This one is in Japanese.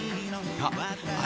あ